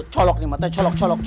colok nih matanya